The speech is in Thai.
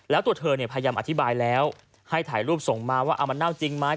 แล้วตัวเธอเนี่ยพยายามอธิบายแล้วให้ถ่ายรูปส่งมาว่ามันเน่าจริงไหม